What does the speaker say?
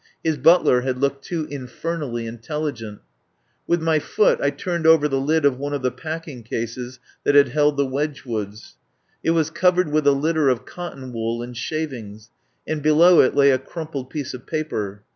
His butler had looked too infernally intelli gent. With my foot I turned over the lid of one of the packing cases that had held the Wedg woods. It was covered with a litter of cotton wool and shavings, and below it lay a crum pled piece of paper.